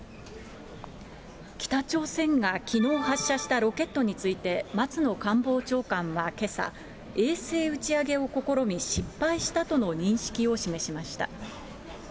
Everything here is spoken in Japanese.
北朝鮮がきのう発射したロケットについて、松野官房長官はけさ、衛星打ち上げを試み、失敗したとの認識を示しました。